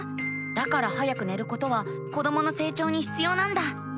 だから早く寝ることは子どもの成長にひつようなんだ。